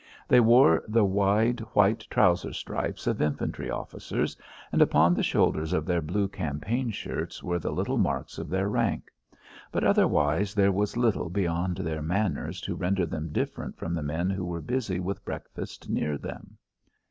They wore the wide white trouser stripes of infantry officers, and upon the shoulders of their blue campaign shirts were the little marks of their rank; but otherwise there was little beyond their manners to render them different from the men who were busy with breakfast near them.